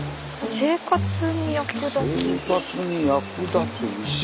生活に役立つ石。